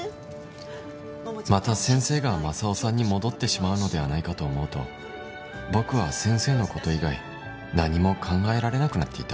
また先生がマサオさんに戻ってしまうのではないかと思うと僕は先生の事以外何も考えられなくなっていた